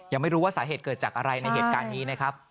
ยังไม่รู้ว่าสาเหตุเกิดจากอะไรในเหตุการณ์นี้นะครับ